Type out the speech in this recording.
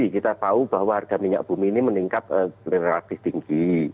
kita tahu bahwa harga minyak bumi ini meningkat relatif tinggi